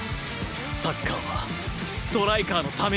サッカーはストライカーのためにある